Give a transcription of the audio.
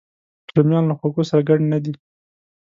رومیان له خوږو سره ګډ نه دي